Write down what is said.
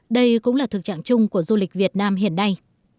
đây cũng là thực trạng chung của du lịch việt nam hiện nay